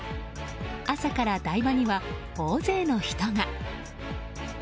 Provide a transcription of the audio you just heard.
朝から台場には大勢の人が。